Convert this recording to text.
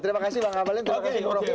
terima kasih bu ngabalin terima kasih bu roky